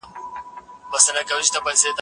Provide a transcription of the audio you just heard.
ماشومانو ته رښتینی تاریخ ور زده کړئ.